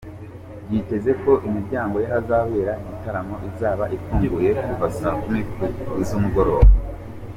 Byitezwe ko imiryango y'ahazabera iki gitaramo izaba ifunguye kuva saa kumi z’umugoroba.